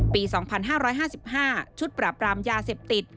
ปี๒๕๕๕ชุดปราบรามยาเสพติด